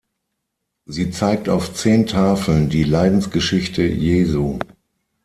Sie zeigt auf zehn Tafeln die Leidensgeschichte Jesu.